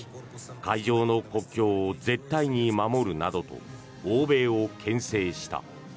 海上の国境を絶対に守るなどと欧米をけん制した。